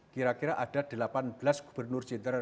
kira kira ada delapan belas gubernur jenderal